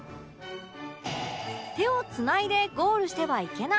手を繋いでゴールしてはいけない